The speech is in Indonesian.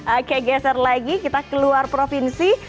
oke geser lagi kita keluar provinsi